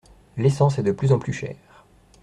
L’essence est de plus en plus chère.